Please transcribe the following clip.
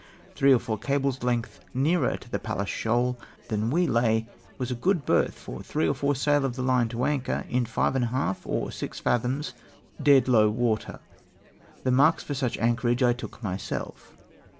Three or four cables' length nearer to the Pallas Shoal than we lay, was a good berth for three or four sail of the line to anchor in five and a half or six fathoms dead low water. The marks for such anchorage I took myself."